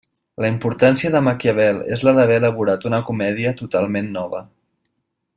La importància de Maquiavel és la d'haver elaborat una comèdia totalment nova.